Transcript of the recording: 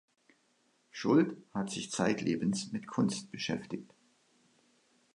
Schuldt hat sich zeitlebens mit Kunst beschäftigt.